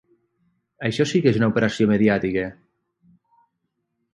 Això sí que és una operació mediàtica!